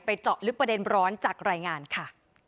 ไปเจาะอุทิศประเด็นล้อลจากรายงานค่ะ